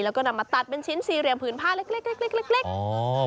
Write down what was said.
แล้วก็นำมาตัดเป็นชิ้นสี่เหลี่ยมผืนผ้าเล็กเล็ก